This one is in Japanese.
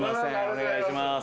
お願いします。